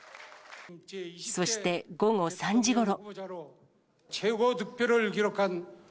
そして午後３時ごろ。